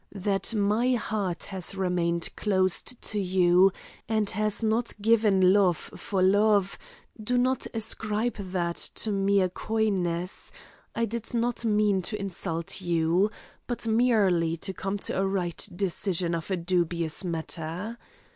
That my heart has remained closed to you, and has not given love for love, do not ascribe that to mere coyness; I did not mean to insult you, but merely to come to a right decision of a dubious matter.